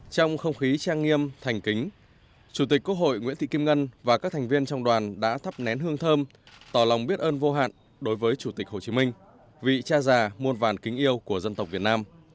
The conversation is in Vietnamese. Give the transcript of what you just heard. trong không khí trang nghiêm thành kính chủ tịch quốc hội nguyễn thị kim ngân và các thành viên trong đoàn đã thắp nén hương thơm tỏ lòng biết ơn vô hạn đối với chủ tịch hồ chí minh vị cha già muôn vàn kính yêu của dân tộc việt nam